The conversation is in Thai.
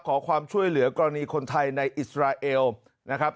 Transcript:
ขอความช่วยเหลือกรณีคนไทยในอิสราเอลนะครับ